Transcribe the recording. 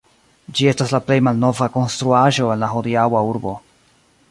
Ĝi estas la plej malnova konstruaĵo en la hodiaŭa urbo.